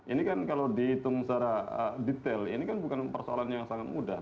ini kan kalau dihitung secara detail ini kan bukan persoalan yang sangat mudah